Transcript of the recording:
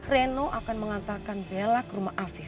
reno akan mengantarkan bela ke rumah afif